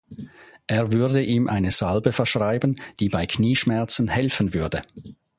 Er würde ihm eine Salbe verschreiben, die bei Knieschmerzen helfen würde.